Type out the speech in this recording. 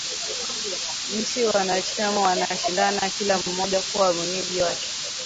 Nchi wanachama wanashindana kila mmoja kuwa mwenyeji wake